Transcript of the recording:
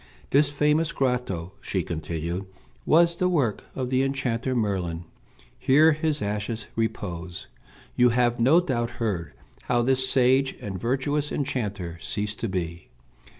This famous grotto," she continued, "was the work of the enchanter Merlin; here his ashes repose. You have no doubt heard how this sage and virtuous enchanter ceased to be.